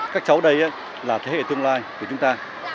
các cháu đây là thế hệ tương lai của chúng ta